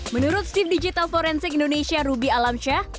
menurut steve digital forensic indonesia ruby alamsyah